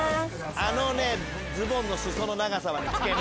あのズボンの裾の長さはつけ麺。